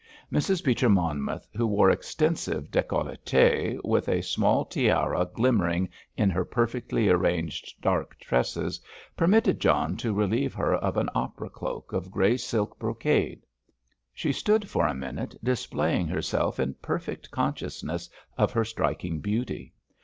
Mrs. Beecher Monmouth, who wore extensive décolletée, with a small tiara glimmering in her perfectly arranged dark tresses, permitted John to relieve her of an opera cloak of grey silk brocade. She stood for a minute displaying herself in perfect consciousness of her striking beauty.